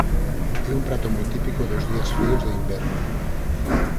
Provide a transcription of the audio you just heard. É un prato moi típico dos días fríos de inverno.